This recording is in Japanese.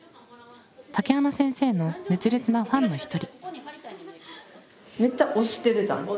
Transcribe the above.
竹花先生の熱烈なファンの一人。